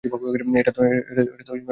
এটা বেশ ভালো শুরু!